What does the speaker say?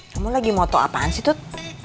kamu lagi mau tau apaan sih tut